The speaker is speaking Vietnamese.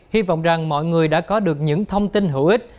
hy vọng rằng mọi người đã có được những thông tin hữu ích